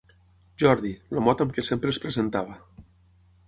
Jordi, el mot amb què sempre es presentava.